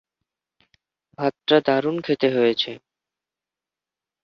ভাতটা দারুন খেতে হয়েছে।